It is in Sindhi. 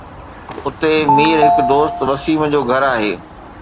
اتي مير هڪ دوست وسيم جو گهر آهي